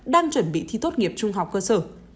đang chuẩn bị thi tốt nghiệp trung học cơ sở